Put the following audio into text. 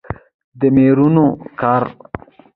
د میرمنو کار او تعلیم مهم دی ځکه چې ټولنې پراختیا لامل دی.